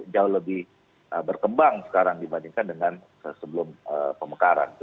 jauh lebih berkembang sekarang dibandingkan dengan sebelum pemekaran